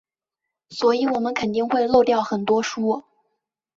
所以我们肯定会漏掉很多书。